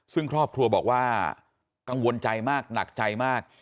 ซึ่งครอบครัวบอกว่ากังวลใจมากหนักใจมาก